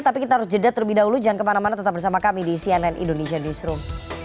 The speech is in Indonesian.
tapi kita harus jeda terlebih dahulu jangan kemana mana tetap bersama kami di cnn indonesia newsroom